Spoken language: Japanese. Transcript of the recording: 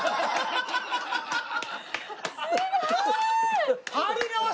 すごーい！